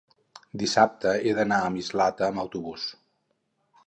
Dissabte he d'anar a Mislata amb autobús.